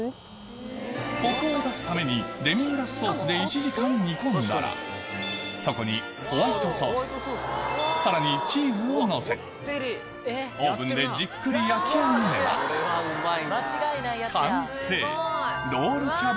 コクを出すためにデミグラスソースで１時間煮込んだらそこにホワイトソースさらにチーズをのせオーブンでじっくり焼き上げれば完成